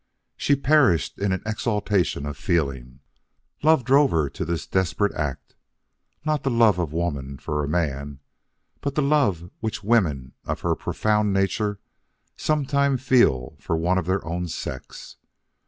She perished in an exaltation of feeling. Love drove her to this desperate act. Not the love of woman for a man, but the love which women of her profound nature sometimes feel for one of their own sex.